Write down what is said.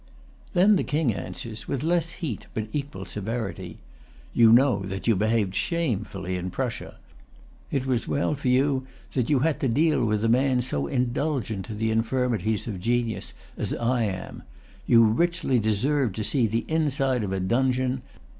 Then the King answers, with less heat but equal severity: "You know that you behaved shamefully in Prussia. It was well for you that you had to deal with a man so indulgent to the infirmities of[Pg 311] genius as I am. You richly deserved to see the inside of a dungeon.